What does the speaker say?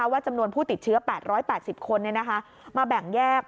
ว่าจำนวนผู้ติดเชื้อ๘๘๐คนมาแบ่งแยก